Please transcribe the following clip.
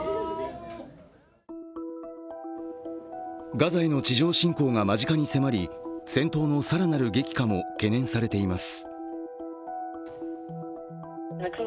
ガザへの地上侵攻が間近に迫り戦闘の更なる激化も懸念されています。